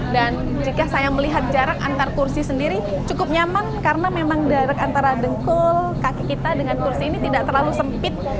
dan jika saya melihat jarak antar kursi sendiri cukup nyaman karena memang jarak antara dengkul kaki kita dengan kursi ini tidak terlalu sempit